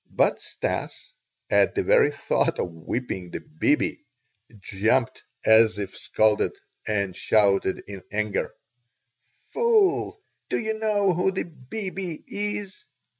But Stas, at the very thought of whipping the "bibi," jumped as if scalded and shouted in anger: "Fool, do you know who the 'bibi' is?"